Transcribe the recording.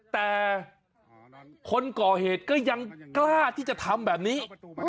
แต่คนก่อเหตุก็ยังกล้าที่จะทำแบบนี้